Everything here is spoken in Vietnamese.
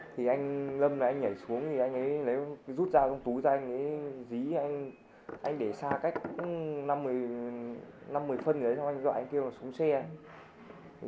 thì anh lâm là anh nhảy xuống thì anh ấy rút ra trong túi ra anh ấy dí anh anh để xa cách năm một mươi phân rồi anh gọi anh kêu là xuống xe